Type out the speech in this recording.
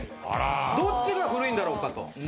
どっちが古いんだろうかと。